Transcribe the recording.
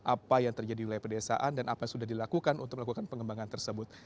apa yang terjadi di wilayah pedesaan dan apa yang sudah dilakukan untuk melakukan pengembangan tersebut